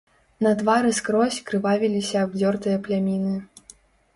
На твары скрозь крывавіліся абдзёртыя пляміны.